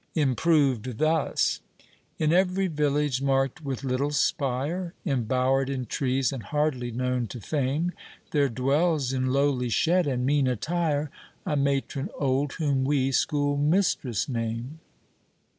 Improved thus: In every village mark'd with little spire, Embower'd in trees, and hardly known to fame, There dwells in lowly shed and mean attire, A matron old, whom we schoolmistress name.